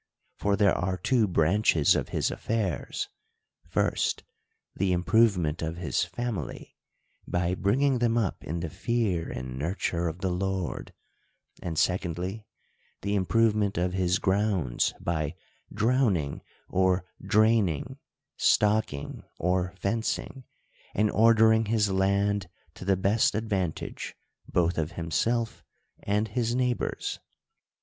For there are two branches of his affairs : first, the improvement of his family, by bringing them up in the fear and nurture of the Lord ; and secondly, the improvement of his grounds by drowning, or draining, stocking, or fencing, and ordering his land to the best advantage both of himself and his neighbors.